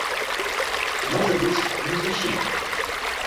Можа быць, не зусім.